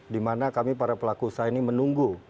di mana kami para pelaku usaha ini menunggu